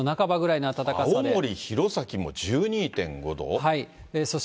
青森・弘前も１２．５度？